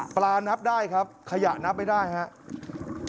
นับได้ครับขยะนับไม่ได้ครับ